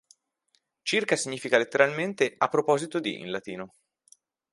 Circa significa letteralmente "a proposito di" in latino.